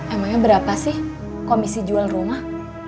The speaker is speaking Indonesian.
emangnya berapa sih komisi jual rumah